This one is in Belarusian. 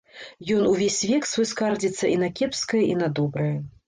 Ён увесь век свой скардзіцца і на кепскае і на добрае.